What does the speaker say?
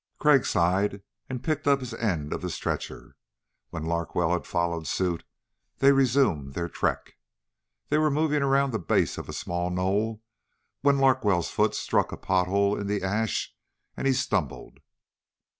Crag sighed and picked up his end of the stretcher. When Larkwell had followed suit they resumed their trek. They were moving around the base of a small knoll when Larkwell's foot struck a pothole in the ash and he stumbled.